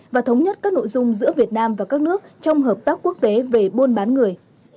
và thống nhất các nội dung giữa việt nam và các nước trong hợp tác quốc tế về buôn bán người